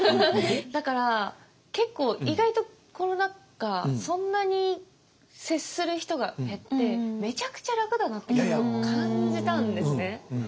だから結構意外とコロナ禍そんなに接する人が減ってめちゃくちゃ楽だなって感じたんですね。